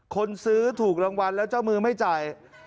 คนซื้อถูกรางวัลแล้วเจ้ามือไม่จ่าย